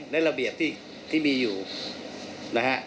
ระเบียบที่มีอยู่นะฮะ